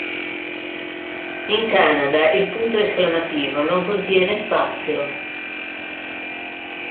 In Canada, il punto esclamativo non contiene spazio.